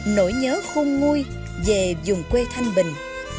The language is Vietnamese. nỗi nhớ khôn nguôi về dùng quê thanh bình